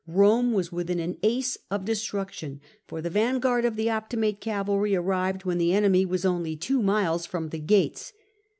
Rome was within an ace of destruction, for the vanguard of the Optimate cavalry arrived when the enemy were only two miles from the gates.